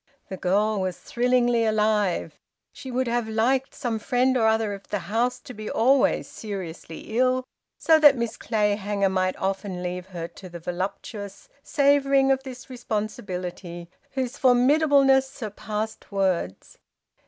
The girl was thrillingly alive; she would have liked some friend or other of the house to be always seriously ill, so that Miss Clayhanger might often leave her to the voluptuous savouring of this responsibility whose formidableness surpassed words.